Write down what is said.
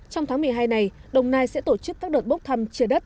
trong tháng một mươi hai này đồng nai sẽ tổ chức các đợt bốc thăm chia đất